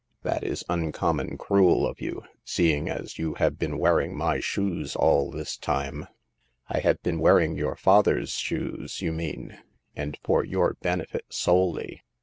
"That is uncommon cruel of you, seeing as you have been wearing my shoes all this time !" 276 Hagar of the Pawn Shop. I have been wearing your father's shoes, you mean, and for your benefit solely.